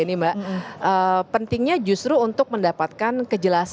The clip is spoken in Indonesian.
gambar yang anda saksikan saat ini adalah